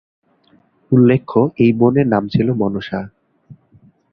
উল্লেখ্য এই বোনের নাম ছিল মনসা।